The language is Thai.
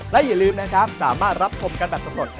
และอย่าลืมนะครับสามารถรับชมกันแบบสำรวจ